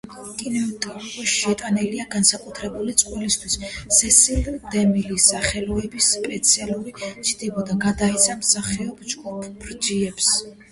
კინემატოგრაფიაში შეტანილი განსაკუთრებული წვლილისთვის, სესილ დემილის სახელობის სპეციალური ჯილდო გადაეცა მსახიობ ჯეფ ბრიჯესს.